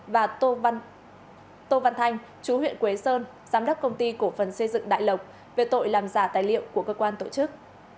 và tô văn thanh chú huyện quế sơn giám đốc công ty cổ phần xây dựng đại lộc về tội làm giả tài liệu của cơ quan tổ chức